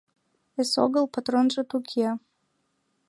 — Эсогыл патронжат уке.